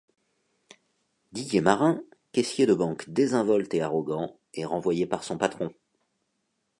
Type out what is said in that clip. Didier Marin, caissier de banque désinvolte et arrogant, est renvoyé par son patron.